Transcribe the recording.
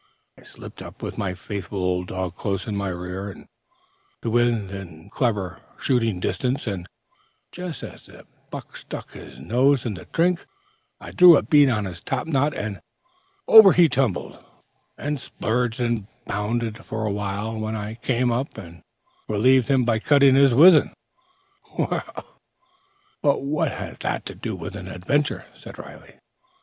I slipped up, with my faithful old dog close in my rear, to within clever shooting distance, and just as the buck stuck his nose in the drink I drew a bead upon his top knot, and over he tumbled, and splurged and bounded a while, when I came up and relieved him by cutting his wizen " "Well, but what has that to do with an adventure?" said Riley.